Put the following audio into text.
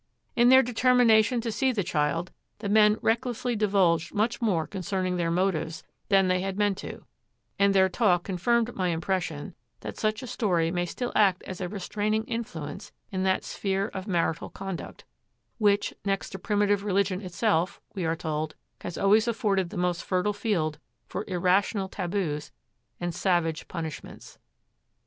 In their determination to see the child, the men recklessly divulged much more concerning their motives than they had meant to do, and their talk confirmed my impression that such a story may still act as a restraining influence in that sphere of marital conduct, which, next to primitive religion itself, we are told, has always afforded the most fertile field for irrational tabus and savage punishments.